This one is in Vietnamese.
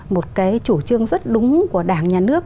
một cái chủ trương rất đúng của đảng nhà nước